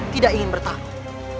tidak ingin bertaruh